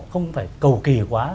không phải cầu kỳ quá